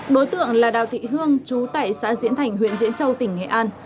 đối tượng là đào thị hương chú tại xã diễn thành huyện diễn châu tỉnh nghệ an